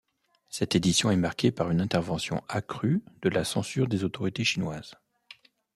Cette édition est marquée par une intervention accrue de la censure des autorités chinoises.